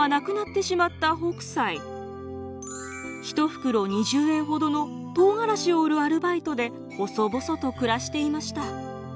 １袋２０円ほどの唐辛子を売るアルバイトで細々と暮らしていました。